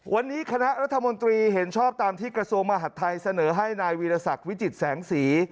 วันนี้คณะรัฐมนตรีเห็นชอบตามที่กระทรวงมหาดไทยเสนอให้นายวีรศักดิ์วิจิตแสงสี